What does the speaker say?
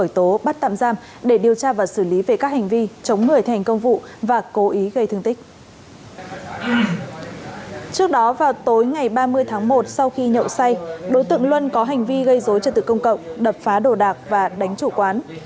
trước đó vào tối ngày ba mươi tháng một sau khi nhậu say đối tượng luân có hành vi gây dối trật tự công cộng đập phá đồ đạc và đánh chủ quán